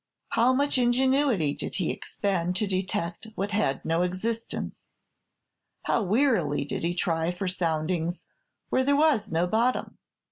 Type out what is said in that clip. How much ingenuity did he expend to detect what had no existence! How wearily did he try for soundings where there was no bottom!